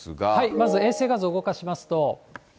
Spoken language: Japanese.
まず衛星画像動かしますと。